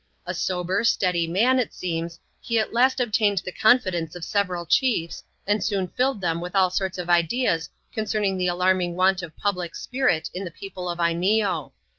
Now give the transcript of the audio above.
A sober, steady man, it seems, he at last obtained the confidence of several chiefs, and soon filled them with all sorts of ideas concerning the alarming want of public spirit in the people of Lneeo.